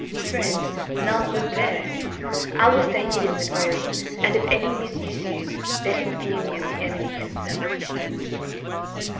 "Friend, none would dare. I will stay hidden with Orri, and if any misuse you let him fear me as the Enemy himself."